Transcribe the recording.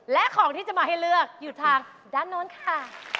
และของที่จะมายอยู่ทางด้านโน้นค่ะ